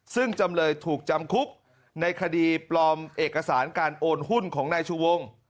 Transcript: ซึ่งจำเลยถูกจำคุกในคดีปลอมเอกสารการโอนหุ้นของนายชูวง